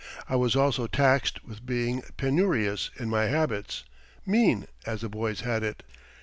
I was also taxed with being penurious in my habits mean, as the boys had it.